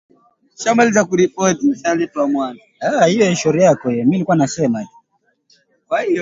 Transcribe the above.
Takribani watu themanini na saba wameuawa na mamia kujeruhiwa